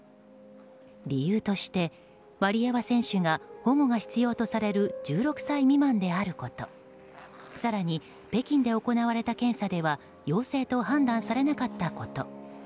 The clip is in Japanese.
理由としてワリエワ選手が保護が必要とされる１６歳未満であること更に、北京で行われた検査では陽性と判断されなかったこと。